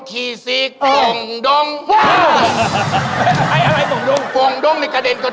ที่๑๑โมงมึงไปอย่างไรน่ะ